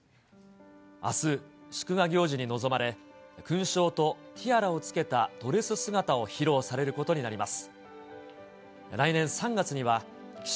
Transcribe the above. あす、祝賀行事に臨まれ、勲章とティアラをつけたドレス姿を披露されることになります。